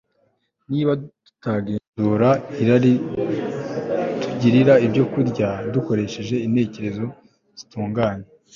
niba tutagenzura irari tugirira ibyokurya dukoresheje intekerezo zitunganye